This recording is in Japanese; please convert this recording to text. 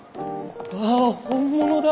あ本物だ！